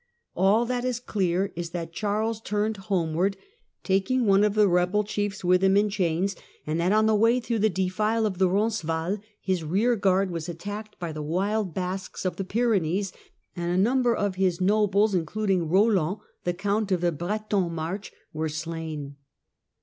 All that is clear is that Charles turned homeward, taking one of the rebel chiefs with him 11 162 THE DAWN OF MEDIAEVAL EUROPE in chains, and that on the way through the defile of Roncesvalles his rearguard was attacked by the wild Basques of the Pyrenees, and a number of his nobles, including Roland, the Count of the Breton March, were slain.